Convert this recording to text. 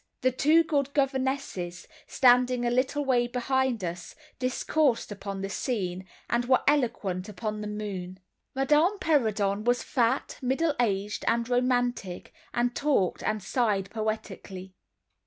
The two good governesses, standing a little way behind us, discoursed upon the scene, and were eloquent upon the moon. Madame Perrodon was fat, middle aged, and romantic, and talked and sighed poetically.